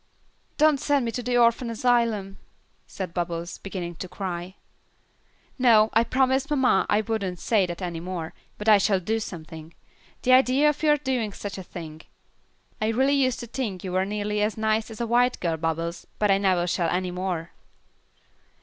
"Don't send me to the orphan asylum," said Bubbles, beginning to cry. "No, I promised mamma I wouldn't say that any more, but I shall do something. The idea of your doing such a thing. I really used to think you were nearly as nice as a white girl, Bubbles, but I never shall any more."